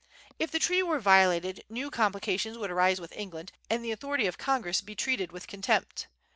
If the treaty were violated, new complications would arise with England, and the authority of Congress be treated with contempt.